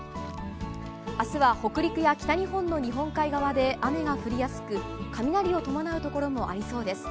明日は北陸や北日本の日本海側で雨が降りやすく雷を伴うところもありそうです。